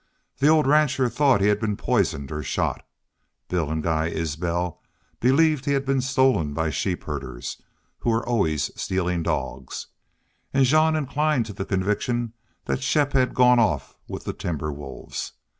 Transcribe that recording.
The old rancher thought he had been poisoned or shot; Bill and Guy Isbel believed he had been stolen by sheep herders, who were always stealing dogs; and Jean inclined to the conviction that Shepp had gone off with the timber wolves.